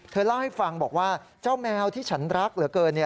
เล่าให้ฟังบอกว่าเจ้าแมวที่ฉันรักเหลือเกิน